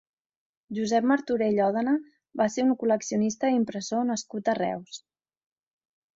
Josep Martorell Òdena va ser un col·leccionista i impressor nascut a Reus.